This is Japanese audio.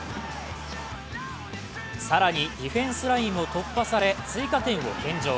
更に、ディフェンスラインを突破され、追加点を献上。